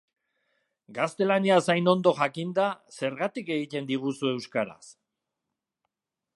Gaztelaniaz hain ondo jakinda, zergatik egiten diguzu euskaraz?